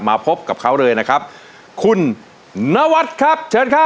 มาพบกับเขาเลยนะครับคุณนวัดครับเชิญครับ